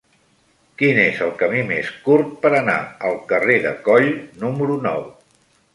Quin és el camí més curt per anar al carrer de Coll número nou?